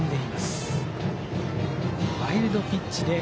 記録ワイルドピッチです。